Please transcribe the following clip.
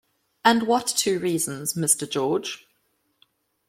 And what two reasons, Mr. George?